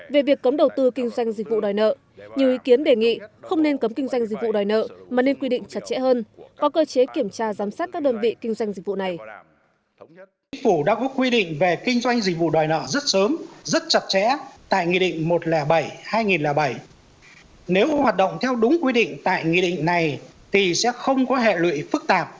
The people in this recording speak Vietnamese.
về việc cấm đầu tư kinh doanh dịch vụ đòi nợ nhiều ý kiến đề nghị không nên cấm kinh doanh dịch vụ đòi nợ mà nên quy định chặt chẽ hơn có cơ chế kiểm tra giám sát các đơn vị kinh doanh dịch vụ này